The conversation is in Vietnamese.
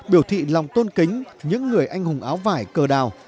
biểu thị lòng tôn kính những người anh hùng áo vải cờ đào